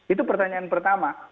itu pertanyaan pertama